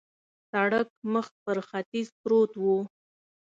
سړک مخ پر ختیځ پروت و.